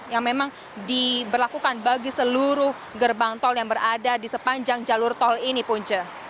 yang memang diberlakukan bagi seluruh gerbang tol yang berada di sepanjang jalur tol ini punca